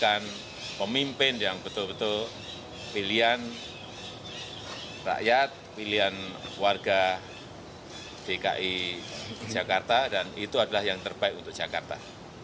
dan memimpin yang betul betul pilihan rakyat pilihan warga dki jakarta dan itu adalah yang terbaik untuk jakarta